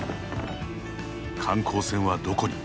観光船はどこに。